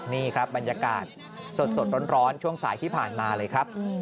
นี่ครับบรรยากาศสดร้อนช่วงสายที่ผ่านมาเลยครับ